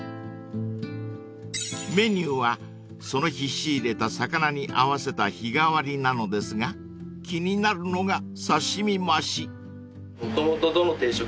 ［メニューはその日仕入れた魚に合わせた日替わりなのですが気になるのが刺身増し］